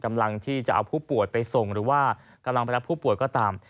กำลังที่จะเอาผู้ป่วยไปส่งหรือว่ากำลังไปรับผู้ป่วยก็ตาม